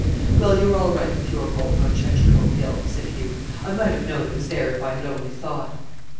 "Well, you're all right with your gold on Chechacho Hill," said Hugh. "I might have known it was there if I had only thought."